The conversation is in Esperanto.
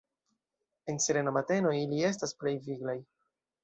En serena mateno ili estas plej viglaj.